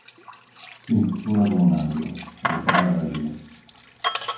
Sì pura come un angelo... resterà vergine?